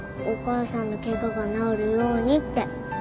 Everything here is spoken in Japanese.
お母さんの怪我が治るようにって。